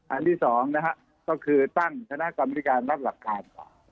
อันที่สองก็คือตั้งชนะกรรมริการรับหลักฐาน